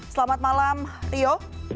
selamat malam rio